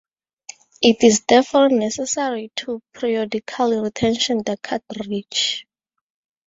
It is therefore necessary to periodically retension the cartridge.